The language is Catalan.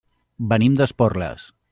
Venim d'Esporles.